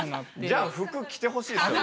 じゃあ服着てほしいですよね。